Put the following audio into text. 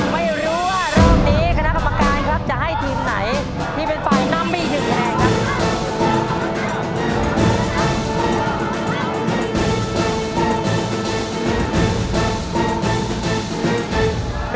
ไม่รู้ว่ารอบนี้คณะกรรมการครับจะให้ทีมไหนที่เป็นไฟล์นัมมี่ถึงแรงครับ